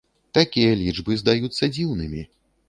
Такія лічбы здаюцца дзіўнымі.